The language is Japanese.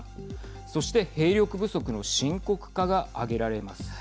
そして、兵力不足の深刻化が挙げられます。